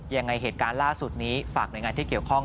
ยังไงเหตุการณ์ล่าสุดนี้ฝากหน่วยงานที่เกี่ยวข้อง